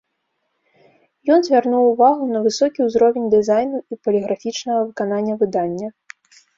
Ён звярнуў увагу на высокі ўзровень дызайну і паліграфічнага выканання выдання.